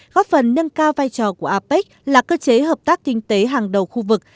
góp phần nâng cao vai trò của apec là cơ chế hợp tác kinh tế hàng đầu khu vực